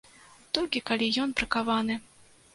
Толькі калі ён бракаваны.